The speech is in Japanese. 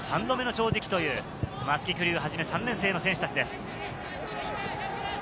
３度目の正直という松木玖生をはじめ、３年生の選手たちです。